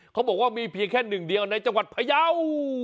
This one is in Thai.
เค้าบอกว่ามีแค่เนี่ยแค่หนึ่งเดียวที่ในจังหวัดพะเยา